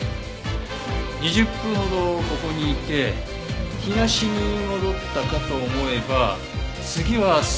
２０分ほどここにいて東に戻ったかと思えば次はさらに西。